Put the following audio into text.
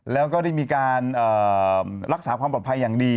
แล้วก็ได้มีการรักษาความปลอดภัยอย่างดี